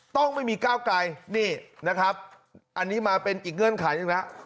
ต้องไม่มีก้าวไกลนี่นะครับอันนี้มาเป็นอีกเงื่อนไขหนึ่งแล้ว